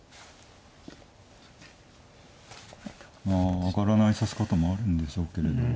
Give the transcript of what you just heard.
まあ上がらない指し方もあるんでしょうけれど。